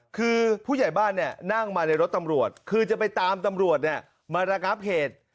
คือผู้ใหญ่บ้านนั่งมาในรถตำรวจคือจะไปตามตำรวจมาระงับเหตุ